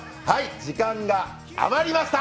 時間が余りました！